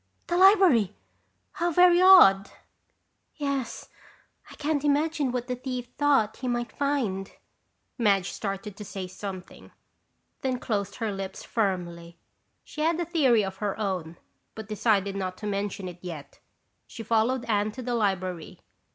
"The library! How very odd!" "Yes, I can't imagine what the thief thought he might find." Madge started to say something, then closed her lips firmly. She had a theory of her own but decided not to mention it yet. She followed Anne to the library.